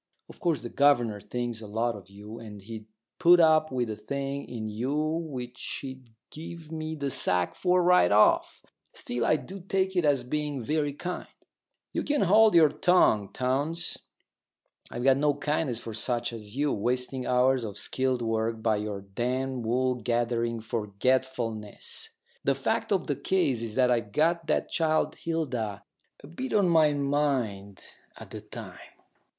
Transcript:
Of course the governor thinks a lot of you, and he'd put up with a thing in you which he'd give me the sack for right off. Still, I do take it as being very kind " "You can hold your tongue, Townes. I've got no kindness for such as you wasting hours of skilled work by your damned wool gathering forgetfulness." "The fact of the case is that I'd got that child Hilda a bit on my mind at the time.